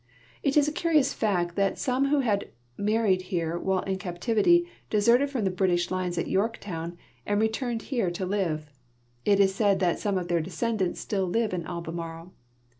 It is a curious fact that some Avho had married here Avhile in captivity deserted fnmi the British lines at Yorktown and re turned here to live. It is said that some of their descendants still live in Albemarle.